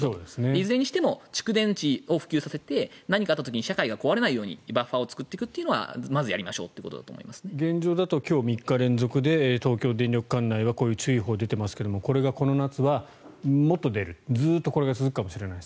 いずれにしても蓄電池を普及させて何かあった時に、社会が壊れないようにバッファーを作っていくのは現状だと今日、３日連続で東京電力管内はこういう注意報が出ていますがこれがこの夏はもっと出るずっとこれが続くかもしれない。